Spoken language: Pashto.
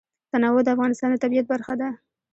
تنوع د افغانستان د طبیعت برخه ده.